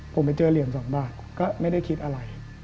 ผมไปเจอเหรียญ๒บาทก็ไม่ได้คิดอะไร